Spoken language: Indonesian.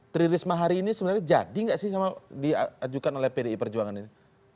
tri risma hari ini sebenarnya jadi nggak sih sama diajukan oleh pdi perjuangan ini